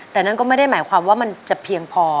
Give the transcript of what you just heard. แต่นั่นก็ไม่ได้หมายความว่ามันจะเพียงพอ